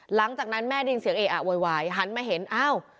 หลังจากนั้นแม่ได้ยินเสียงเออะโวยวายหันมาเห็นอ้าว